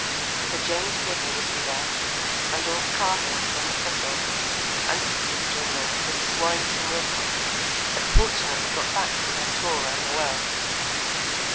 Sir James Bidder would be there, and all the Cahills and the Fussells, and his sister in law, Mrs. Warrington Wilcox, had fortunately got back from her tour round the world.